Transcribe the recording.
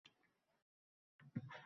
Unda har kim istaganini qiladi.